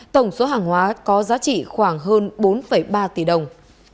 tổng số hàng hóa có giá trị khoảng hơn bốn ba tỷ đồng